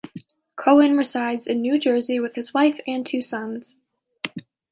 Cohen resides in New Jersey with his wife and two sons.